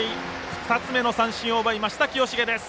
２つ目の三振を奪いました清重です。